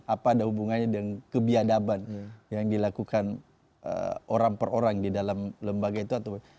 apa ada hubungannya dengan kebiadaban yang dilakukan orang per orang di dalam lembaga itu atau